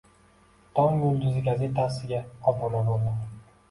"Tong yulduzi" gazetasiga obuna boʻldim.